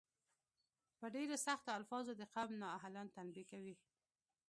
په ډیرو سختو الفاظو د قوم نا اهلان تنبیه کوي.